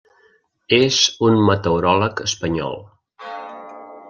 És un meteoròleg espanyol.